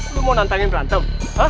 lo mau nantangin berantem